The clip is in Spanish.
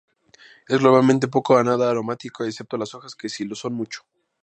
Es globalmente poco o nada aromático, excepto las hojas que sí lo son mucho.